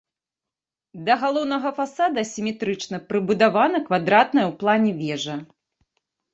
Да галоўнага фасада асіметрычна прыбудавана квадратная ў плане вежа.